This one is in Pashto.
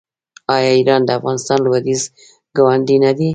آیا ایران د افغانستان لویدیځ ګاونډی نه دی؟